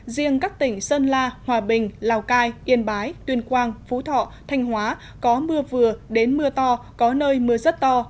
riêng các tỉnh sơn la hòa bình lào cai yên bái tuyên quang phú thọ thanh hóa có mưa vừa đến mưa to có nơi mưa rất to